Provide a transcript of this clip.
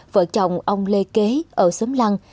vợ chồng ông lê kế ở xóm lăng